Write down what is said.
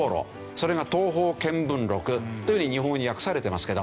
それが『東方見聞録』というふうに日本語に訳されてますけど。